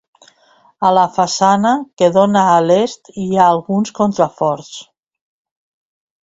A la façana, que dóna a l'est hi ha alguns contraforts.